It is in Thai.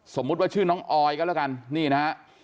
สมมุติว่าชื่อน้องออยก็แล้วกันนี่นะฮะ